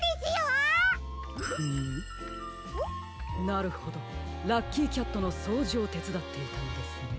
なるほどラッキーキャットのそうじをてつだっていたのですね。